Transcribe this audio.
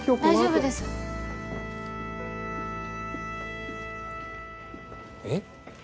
大丈夫です。え。